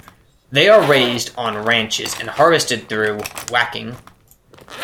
They are raised on ranches and harvested through "whacking".